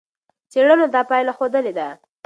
څېړنو دا پایله ښودلې ده.